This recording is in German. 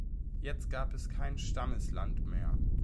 Jetzt gab es kein Stammesland mehr.